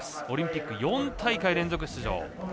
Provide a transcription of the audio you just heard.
オリンピック４大会連続出場。